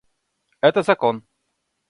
Это закон.